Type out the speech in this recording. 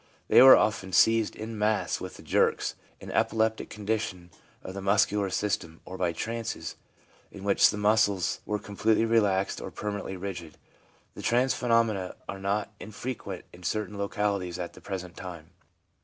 They were often seized en masse with the 4 jerks/ an epileptic condition of the muscular system, 1 or by trances, in which the muscles were completely relaxed or permanently rigid. The trance phenomena are not infrequent in certain localities at the present time.